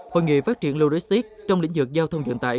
hội nghị phát triển luristic trong lĩnh vực giao thông dựng tải